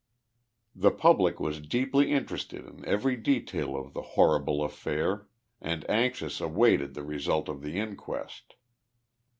The public was deeply interested in every detail of the horri ble affair and anxious awaited the result of the inquest.